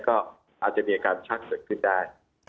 ก็อาจจะมีอาการชักเกิดขึ้นได้